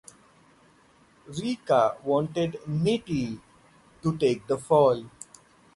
Ricca wanted Nitti to take the fall.